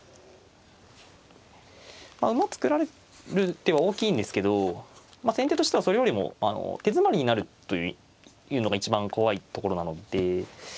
馬作られる手は大きいんですけど先手としてはそれよりも手詰まりになるというのが一番怖いところなので。